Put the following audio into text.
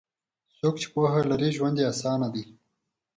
څوک چې پوهه لري، ژوند یې اسانه دی.